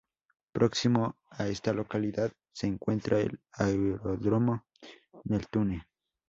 Próximo a esta localidad se encuentra el Aeródromo Neltume.